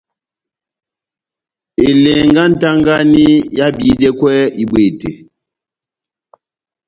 Elɛngɛ yá nʼtagani ehábihidɛkwɛ ibwete.